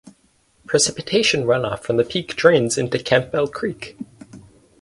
Precipitation runoff from the peak drains into Campbell Creek.